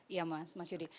ya mas yudi